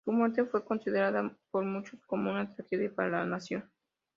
Su muerte fue considerada por muchos como una tragedia para la nación.